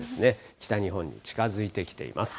北日本に近づいてきています。